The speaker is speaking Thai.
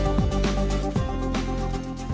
และ